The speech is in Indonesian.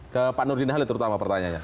ke pak nurdin halid terutama pertanyaannya